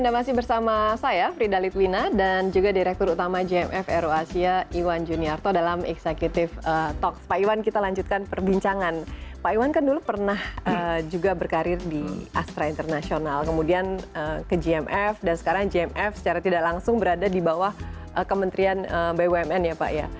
pak iwan kita lanjutkan perbincangan pak iwan kan dulu pernah juga berkarir di astra internasional kemudian ke gmf dan sekarang gmf secara tidak langsung berada di bawah kementerian bumn ya pak